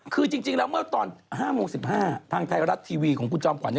คือจริงแล้วเมื่อตอน๕๔๕ทางไทยรัฐทีวีของครูจะมกว่านี่